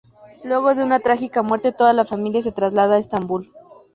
Luego de una trágica muerte, toda la familia se traslada a Estambul.